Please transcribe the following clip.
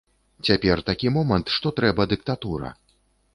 Цяпер такі момант, што трэба дыктатура.